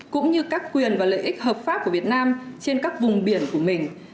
cũng như các quyền và lợi ích hợp pháp của việt nam trên các vùng biển của mình